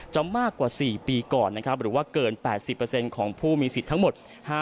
มากกว่า๔ปีก่อนนะครับหรือว่าเกิน๘๐ของผู้มีสิทธิ์ทั้งหมด